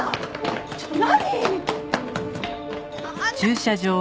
ちょっと。